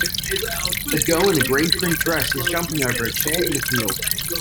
A girl in a green print dress is jumping over a chair in a field.